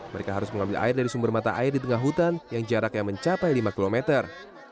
mereka harus mengambil air dari sumber mata air di tengah hutan yang jaraknya mencapai lima kilometer